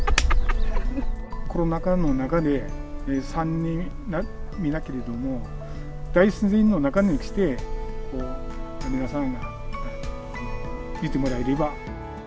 コロナ禍の中で３年目だけれども、大自然の中に来て、皆さんに見てもらえれば。